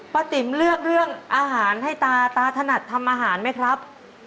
ติ๋มเลือกเรื่องอาหารให้ตาตาถนัดทำอาหารไหมครับ